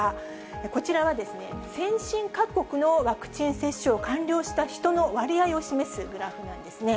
こちらは、先進各国のワクチン接種を完了した人の割合を示すグラフなんですね。